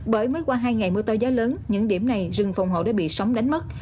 bởi mới qua hai ngày mưa to gió lớn những điểm này rừng phòng hộ đã bị sóng đánh mất